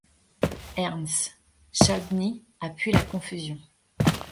Ernst Chladni appuie la confusion.